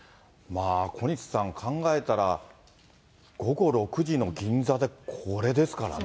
小西さん、考えたら、午後６時の銀座で、これですからね。